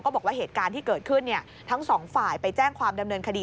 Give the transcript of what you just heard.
บอกว่าเหตุการณ์ที่เกิดขึ้นทั้งสองฝ่ายไปแจ้งความดำเนินคดี